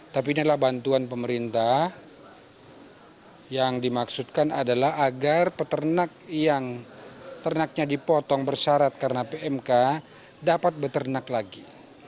tapi ini adalah bantuan pemerintah yang dimaksudkan adalah agar peternak yang ternaknya dipotong bersarat karena pmk dapat beternak lagi